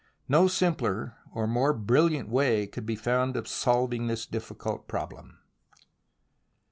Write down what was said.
No simpler, or more brilhant, way could be found of solving this difficult problem.